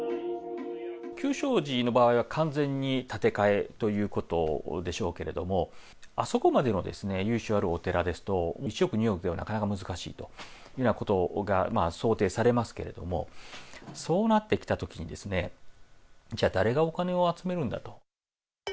久昌寺の場合は完全に建て替えということでしょうけれども、あそこまでの由緒あるお寺ですと、１億、２億ではなかなか難しいというようなことが想定されますけれども、そうなってきたときに、じゃあ誰がお金を集めるんだと。